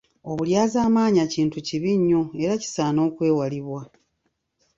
Obulyazaamaanya kintu kibi nnyo era kisaana okwewalibwa.